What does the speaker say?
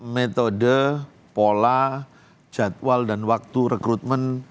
metode pola jadwal dan waktu rekrutmen